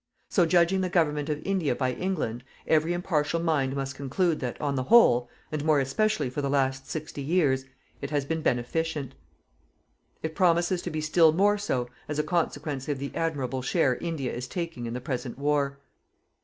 So judging the government of India by England, every impartial mind must conclude that, on the whole and more especially for the last sixty years it has been beneficient. It promises to be still more so, as a consequence of the admirable share India is taking in the present war.